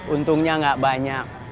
untungnya nggak banyak